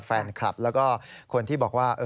แฟนคลับแล้วก็คนที่บอกว่า